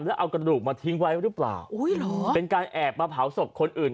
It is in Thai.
แล้วเอากระดูกมาทิ้งไว้หรือเปล่าอุ้ยเหรอเป็นการแอบมาเผาศพคนอื่น